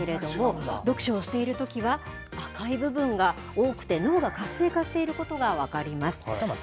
読書をしているときは、赤い部分が多くて、脳が活性化していることが分かります。